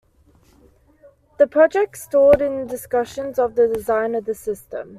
The project stalled in discussions of the design of the system.